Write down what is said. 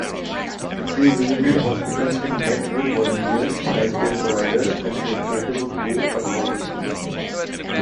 They visited hospitals and met with volunteers, health-care providers, and representatives of gay organizations.